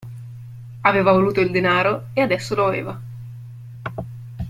Aveva voluto il denaro e adesso lo aveva.